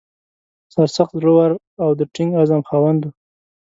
سرسخت، زړه ور او د ټینګ عزم خاوند و.